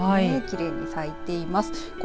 きれいに咲いています。